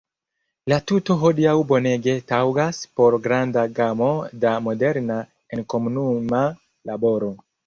La tuto hodiaŭ bonege taŭgas por granda gamo da moderna enkomunuma laboro.